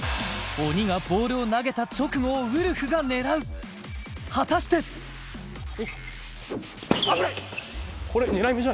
鬼がボールを投げた直後をウルフが狙う果たして危ない！